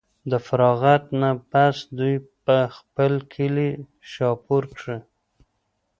د فراغت نه پس دوي پۀ خپل کلي شاهپور کښې